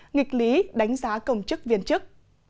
nghịch lý đánh giá công chức viên chức